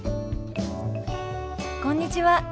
こんにちは。